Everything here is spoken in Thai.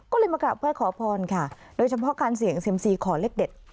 ก็เลยมากราบไหว้ขอพรค่ะโดยเฉพาะการเสี่ยงเซียมซีขอเลขเด็ด